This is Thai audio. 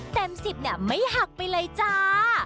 เต็มสิบไม่หักไปเลยจ้า